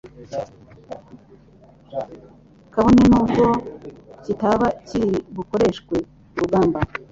kabone nubwo kitaba kiri bukoreshwe ku rugamba.